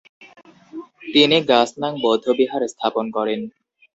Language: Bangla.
তিনি গাস-নাং বৌদ্ধবিহার স্থাপন করেন।